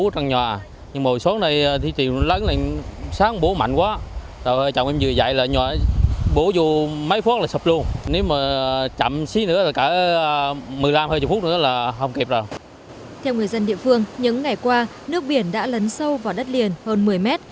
theo người dân địa phương những ngày qua nước biển đã lấn sâu vào đất liền hơn một mươi mét